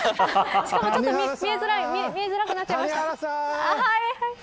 しかもちょっと見えづらくなっちゃいました。